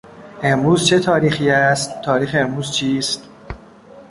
امروز چه تاریخی است؟ تاریخ امروز چیست؟